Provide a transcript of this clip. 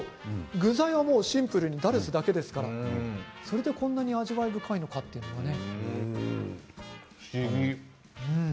具材がシンプルにダルスだけですからそれでこんなに味わい深いのかというのがね。